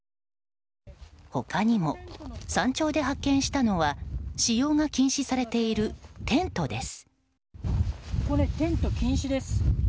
他にも山頂で発見したのは使用が禁止されているテントです。